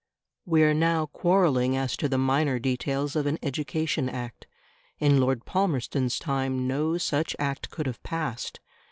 We are now quarrelling as to the minor details of an Education Act; in Lord Palmerston's time no such Act could have passed.